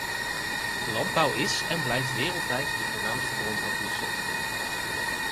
Landbouw is en blijft wereldwijd de voornaamste bron van voedsel.